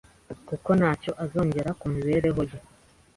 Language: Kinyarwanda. kuko ntacyo azongera ku miibereho ye